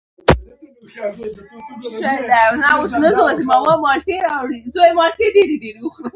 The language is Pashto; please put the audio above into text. يوازې تورکى مې بد اېسېد.